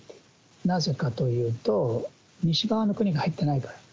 なぜかというと、西側の国が入ってないから。